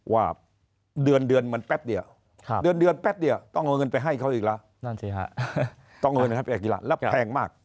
ว่าเดือนมันแป๊บเดี๋ยวต้องเอาเงินไปให้เขาอีกแล้วต้องเอาเงินไปให้กีฬาแล้วแพงมาก